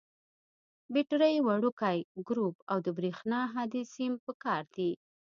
بټرۍ، وړوکی ګروپ او د برېښنا هادي سیم پکار دي.